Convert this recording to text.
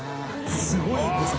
すごいですね。